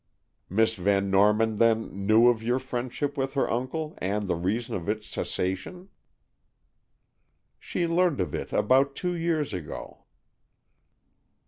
"Miss Van Norman, then, knew of your friendship with her uncle, and the reason of its cessation?" "She learned of it about two years ago."